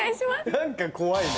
何か怖いね。